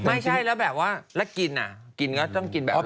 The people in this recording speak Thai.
ไม่ใช่แล้วกินก็ต้องกินแบบไลก์